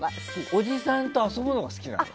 おじさんと遊ぶのが好きなの。